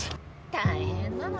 大変なのね。